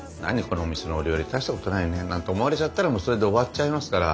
このお店のお料理大したことないね」なんて思われちゃったらもうそれで終わっちゃいますから。